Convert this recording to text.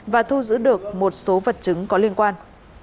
và thu giữ được một số vật chứng có liên quan